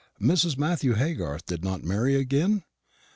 Mrs Matthew Haygarth did not marry again?